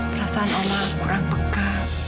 perasaan oma orang peka